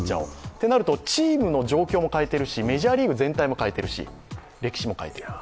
となると、チームの状況も変えているし、メジャーリーグ全体も変えているし歴史も変えている。